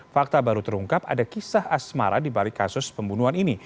fakta baru terungkap ada kisah asmara di balik kasus pembunuhan ini